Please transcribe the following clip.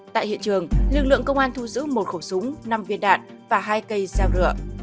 tại hiện trường lực lượng công an thu giữ một khẩu súng năm viên đạn và hai cây dao rượu